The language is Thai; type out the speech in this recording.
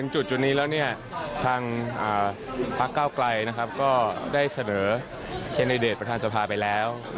จุดนี้แล้วทางพักเก้าไกลก็ได้เสนอแคนดิเดตประธานสภาไปแล้ว